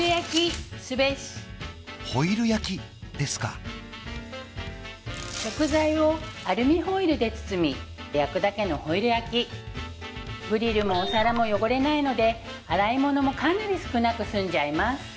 ホイル焼きですか食材をアルミホイルで包み焼くだけのホイル焼きグリルもお皿も汚れないので洗い物もかなり少なく済んじゃいます